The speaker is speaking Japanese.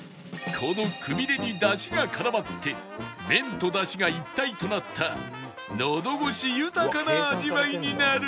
このくびれにだしが絡まって麺とだしが一体となったのどごし豊かな味わいになるのだ